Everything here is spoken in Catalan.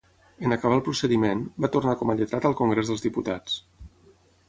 En acabar el procediment, va tornar com a lletrat al Congrés dels Diputats.